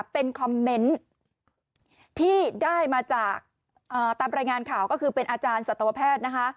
เป็นคอมเมนต์ที่ได้มาจากตามรายงานข่าวก็คือเป็นอาจารย์สัตวแพทย์นะคะ